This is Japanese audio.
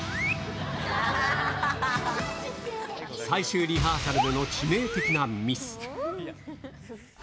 最終リハーサルでの致命的なミス。